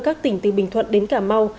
các tỉnh từ bình thuận đến cà mau